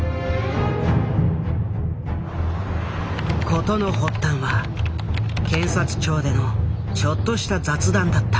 事の発端は検察庁でのちょっとした雑談だった。